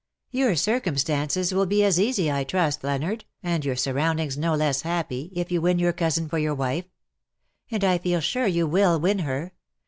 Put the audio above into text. " Your circumstances will be as easy, I trust, Leonard, and your surroundings no less happy, if you win your cousin for your wife. And I feel sure you will win her.